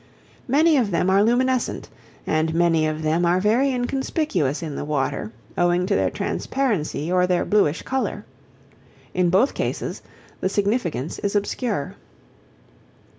Many of them are luminescent, and many of them are very inconspicuous in the water owing to their transparency or their bluish colour. In both cases the significance is obscure.